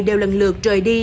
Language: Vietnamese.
đều lần lượt trời đi